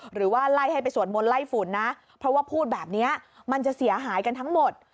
หรือว่าไล่ให้ไปสวดมนต์ไล่ฝุ่นนะเพราะว่าพูดแบบนี้มันจะเสียหายกันทั้งหมด